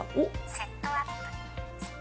セットアップ。